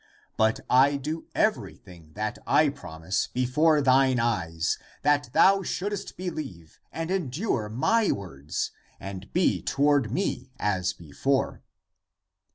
But I do everything that I promise before thine eyes, that thou shouldest beheve and endure my words and be toward me as before."